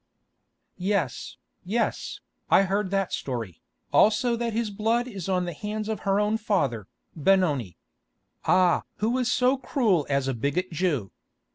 "Yes, yes, I heard that story, also that his blood is on the hands of her own father, Benoni. Ah! who is so cruel as a bigot Jew?